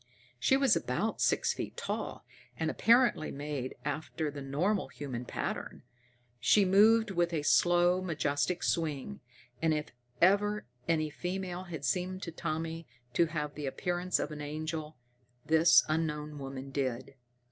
She was about six feet tall, and apparently made after the normal human pattern. She moved with a slow, majestic swing, and if ever any female had seemed to Tommy to have the appearance of an angel, this unknown woman did.